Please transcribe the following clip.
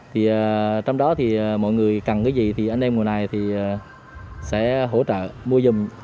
thì trong đó thì mọi người cần cái gì thì anh em mùa này thì sẽ hỗ trợ mua dừa